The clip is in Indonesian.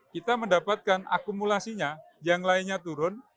kita mendapatkan akumulasinya yang lainnya turun